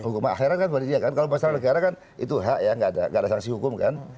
hukuman akhirnya kan pada dia kan kalau pasangan negara kan itu hak ya nggak ada nggak ada sanksi hukum kan